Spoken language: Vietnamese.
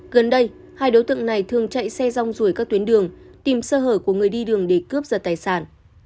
gần đây hai đối tượng này thường chạy xe rong rủi các tuyến đường tìm sơ hở của người đi đường để cướp giật tài sản